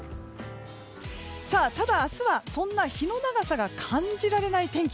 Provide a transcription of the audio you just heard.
ただ明日は、そんな日の長さを感じられない天気。